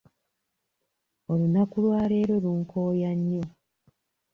Olunaku lwa leero lunkooya nnyo.